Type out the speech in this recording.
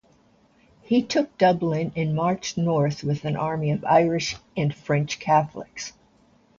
He took Dublin and marched north with an army of Irish and French Catholics.